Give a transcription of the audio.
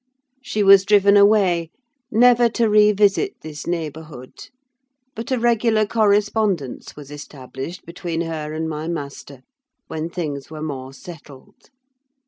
She was driven away, never to revisit this neighbourhood: but a regular correspondence was established between her and my master when things were more settled.